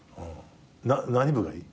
何部がいい？